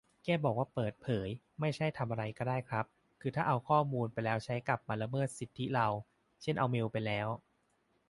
แค่บอกว่าเปิดเผยไม่ใช่ทำอะไรก็ได้ครับ คือถ้าเอาข้อมูลไปแล้วใช้กลับมาละเมิดสิทธิเรา เช่นเอาเมลไปแล้ว